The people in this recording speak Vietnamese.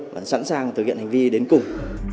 và sẵn sàng thực hiện hành vi đến cùng